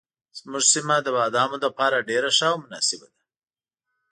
زموږ سیمه د بادامو لپاره ډېره ښه او مناسبه ده.